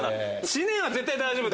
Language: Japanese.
知念は絶対大丈夫。